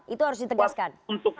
itu harus ditegaskan